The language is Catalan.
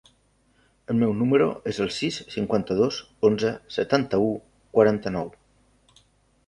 El meu número es el sis, cinquanta-dos, onze, setanta-u, quaranta-nou.